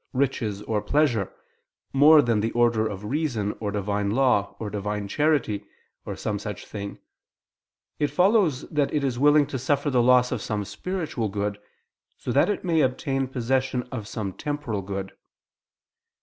riches or pleasure, more than the order of reason or Divine law, or Divine charity, or some such thing, it follows that it is willing to suffer the loss of some spiritual good, so that it may obtain possession of some temporal good.